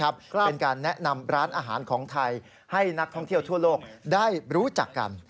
เป็นการแนะนำร้านอาหารของไทยให้นักท่องเที่ยวทั่วโลกได้รู้จักกัน